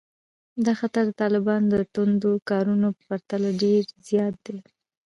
دا خطر د طالبانو د توندو کارونو په پرتله ډېر زیات دی